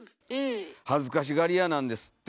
恥ずかしがり屋なんですって。